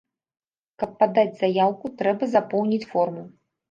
Каб падаць заяўку, трэба запоўніць форму.